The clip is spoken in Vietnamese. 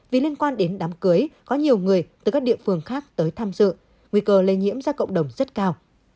vì liên quan đến đám cưới có nhiều người từ các địa phương khác tới tham dự nguy cơ lây nhiễm ra cộng đồng rất cao